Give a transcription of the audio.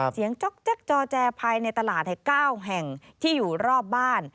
จ๊อกแก๊กจอแจภายในตลาด๙แห่งที่อยู่รอบบ้าน